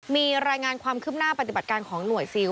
มีรายงานความคืบหน้าปฏิบัติการของหน่วยซิล